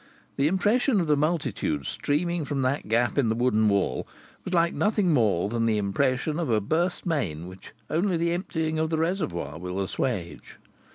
The impression of the multitude streaming from that gap in the wooden wall was like nothing more than the impression of a burst main which only the emptying of the reservoir will assuage.